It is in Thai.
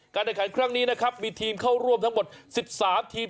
ในขันครั้งนี้นะครับมีทีมเข้าร่วมทั้งหมด๑๓ทีม